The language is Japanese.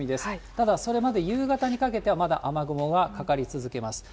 ただ、それまで夕方にかけては、まだ雨雲がかかり続けます。